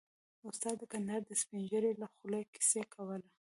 استاد د کندهار د سپين ږيرو له خولې کيسه کوله.